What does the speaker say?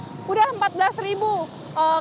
sudah empat belas kendaraan bermotor